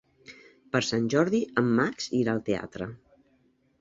Per Sant Jordi en Max irà al teatre.